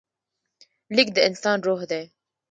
لیک د انسان روح دی.